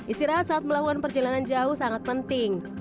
istirahat saat melakukan perjalanan jauh sangat penting